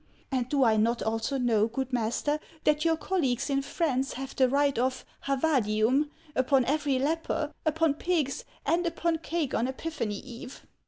And do I not also know, good master, that your colleagues in France have the right of havadium upon every leper, upon pigs, and upon cake on Epiphany eve